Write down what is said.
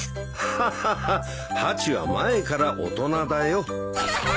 ハチは前から大人だよ。